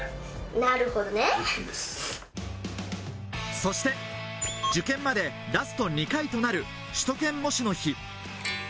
そして受験までラスト２回となる首都圏模試の日。